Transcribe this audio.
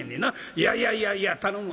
いやいやいやいや頼む。